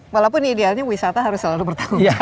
walaupun idealnya wisata harus selalu bertanggung jawab